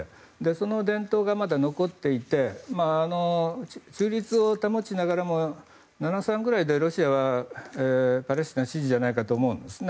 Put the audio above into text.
その伝統がまだ残っていて中立を保ちながらも７：３ぐらいでロシアはパレスチナ支持じゃないかと思うんですね。